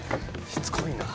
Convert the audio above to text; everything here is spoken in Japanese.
しつこいな。